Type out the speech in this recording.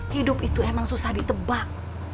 hidup itu emang susah ditebak